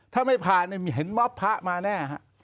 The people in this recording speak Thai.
ถ้าไม่ผ่านเห็นมอบพระมาแน่